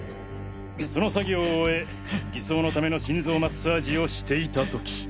その作業を終え偽装のための心臓マッサージをしていた時。